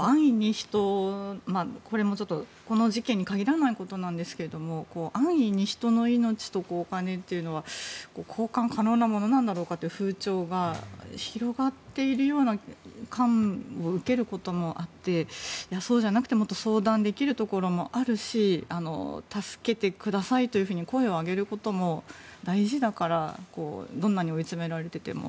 これもこの事件に限らないことですが安易に人の命とお金というのは交換可能なものなのかという風潮が広がっているような感を受けることもあってそうじゃなくてもっと相談できるところもあるし助けてくださいと声を上げることも大事だからどんなに追い詰められていても。